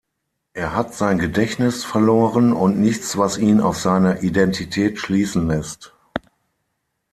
Er hat sein Gedächtnis verloren und nichts was ihn auf seine Identität schließen lässt.